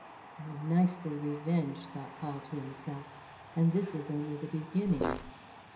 "I am nicely revenged," thought Paul to himself. "And this is only the beginning!"